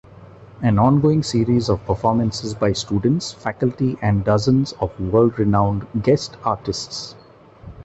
An ongoing series of performances by students, faculty and dozens of world-renowned guest artists.